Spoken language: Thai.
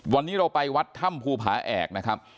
วันนี้เราไปวัดถ้มภูพาแอก